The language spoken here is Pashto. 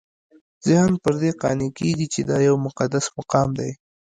ذهن پر دې قانع کېږي چې دا یو مقدس مقام دی.